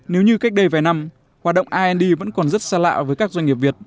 nếu như cách đây vài năm hoạt động ind vẫn còn rất xa lạ với các doanh nghiệp việt